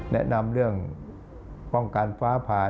แนะนำเรื่องป้องกันฟ้าผ่าน